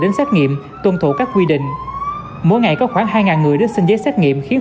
đến xét nghiệm tuân thủ các quy định mỗi ngày có khoảng hai người đến xin giấy xét nghiệm khiến